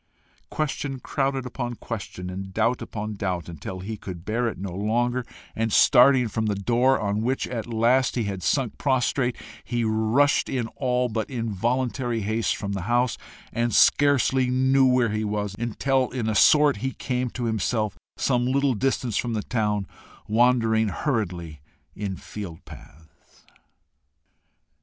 Question crowded upon question, and doubt upon doubt, until he could bear it no longer, and starting from the floor on which at last he had sunk prostrate, he rushed in all but involuntary haste from the house, and scarcely knew where he was until, in a sort, he came to himself some little distance from the town, wandering hurriedly in field paths.